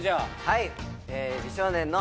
はい